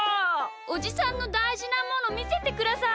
おじさんのたいじなものみせてください！